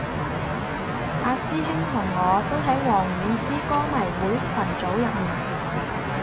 阿師兄同我都喺王菀之歌迷會群組入面